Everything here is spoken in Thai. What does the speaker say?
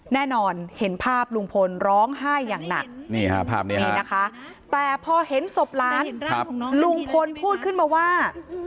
แน่นอนเห็นภาพลุงพลร้องไห้อย่างหนักภาพนี้นะคะแต่พอเห็นศพหลานลุงพลพูดขึ้นมาว่า